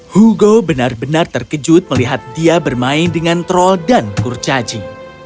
hugo benar benar terkejut melihat dia bermain dengan troll dan kurcaci